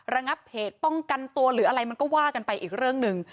ระงับเหตุป้องกันตัวหรืออะไรมันก็ว่ากันไปอีกเรื่องหนึ่ง